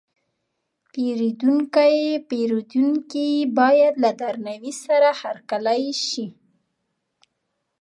پیرودونکی باید له درناوي سره هرکلی شي.